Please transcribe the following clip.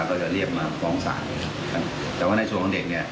แต่ว่าในส่วนของเด็กเนี้ย